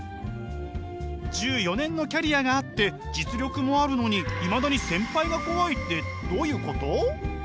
１４年のキャリアがあって実力もあるのにいまだに先輩が怖いってどういうこと？